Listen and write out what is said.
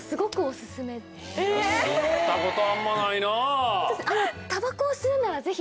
吸ったことはあんまないなぁ。